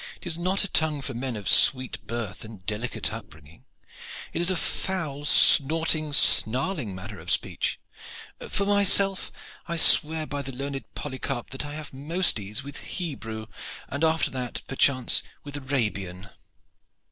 "It is not a tongue for men of sweet birth and delicate upbringing. It is a foul, snorting, snarling manner of speech. For myself, I swear by the learned Polycarp that I have most ease with Hebrew, and after that perchance with Arabian."